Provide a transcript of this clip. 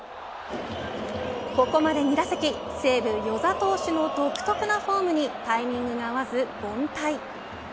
ここまで２打席、西武、與座投手の独特なフォームにタイミングが合わず、凡退。